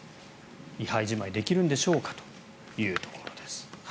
位牌じまいできるんでしょうかというところです。